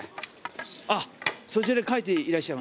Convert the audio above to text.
あっそちらに書いていらっしゃいます。